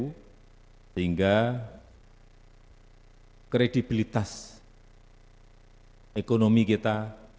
sehingga kredibilitas ekonomi kita